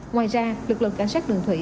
ngoài ra lực lượng cảnh sát đường thủy